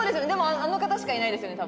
あの方しかいないですよね